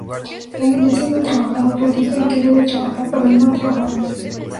La alienación del trabajador radica en que debe trabajar para el no-trabajador.